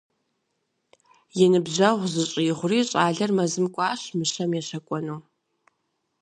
И ныбжьэгъу зыщӏигъури, щӏалэр мэзым кӏуащ мыщэм ещэкӏуэну.